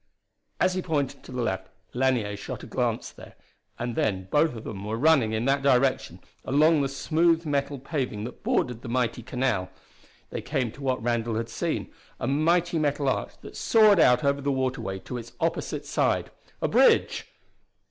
As he pointed to the left Lanier shot a glance there; and then both of them were running in that direction, along the smooth metal paving that bordered the mighty canal. They came to what Randall had seen, a mighty metal arch that soared out over the waterway to its opposite side. A bridge!